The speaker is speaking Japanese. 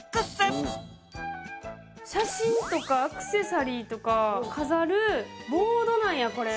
写真とかアクセサリーとか飾るボードなんやこれ。